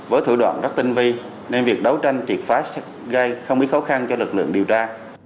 với thủ đoạn rất tinh vi nên việc đấu tranh triệt phá gây không ít khó khăn cho lực lượng điều tra